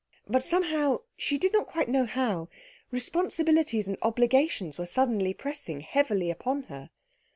But somehow, she did not quite know how, responsibilities and obligations were suddenly pressing heavily upon her.